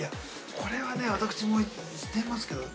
◆これは私もしてますけど。